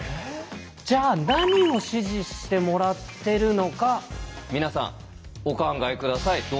じゃあ何を指示してもらってるのか皆さんお考え下さい。